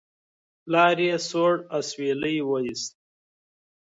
پلار یې سوړ اسویلی وایست.